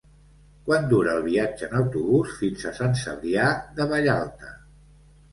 Quant dura el viatge en autobús fins a Sant Cebrià de Vallalta?